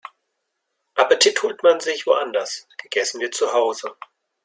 Appetit holt man sich woanders, gegessen wird zuhause.